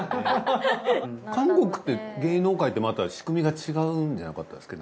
韓国って芸能界ってまた仕組みが違うんじゃなかったですっけ？